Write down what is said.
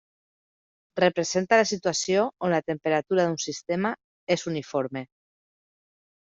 Representa la situació on la temperatura d'un sistema és uniforme.